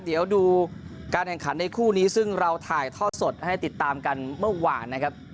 เดี๋ยวดูการแข่งขันในคู่นี้ซึ่งเราถ่ายทอดสดให้ติดตามกันเมื่อวานนะครับ